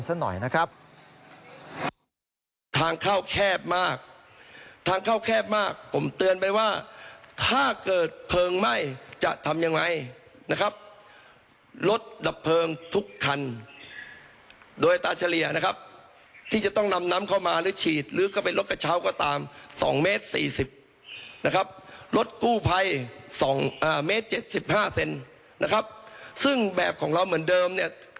ซึ่งแบบของเราเหมือนเดิมเนี่ย